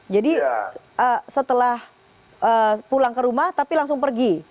jadi setelah pulang ke rumah tapi langsung pergi